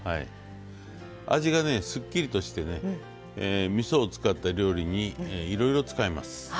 味がすっきりとしてみそを使った料理にいろいろ使えます。